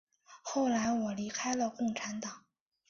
后来我离开了共产党。